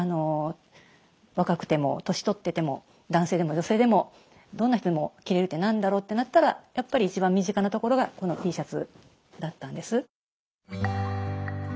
若くても年取ってても男性でも女性でもどんな人でも着れるって何だろうってなったらやっぱり一番身近なところがこのＴシャツだったんです。